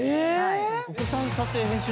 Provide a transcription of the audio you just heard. お子さん撮影編集？